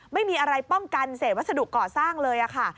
ไม่มีอะไรป้องกันเศษวัสดุก่อสร้างเลยค่ะ